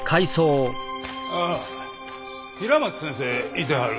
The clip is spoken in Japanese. ああ平松先生いてはる？